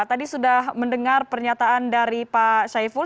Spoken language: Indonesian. tadi sudah mendengar pernyataan dari pak syaiful